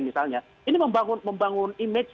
misalnya ini membangun image